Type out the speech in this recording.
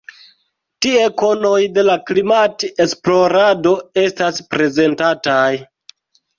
Tie konoj de la klimat-esplorado estas prezentataj.